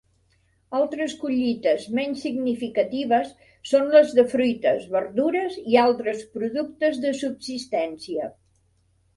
Altres collites menys significatives són les de fruites, verdures i altres productes de subsistència.